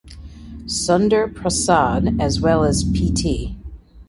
Sunder Prasad as well as Pt.